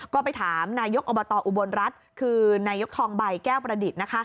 ก็ไปถามนายกอบตอุบลรัฐคือนายกทองใบแก้วประดิษฐ์นะคะ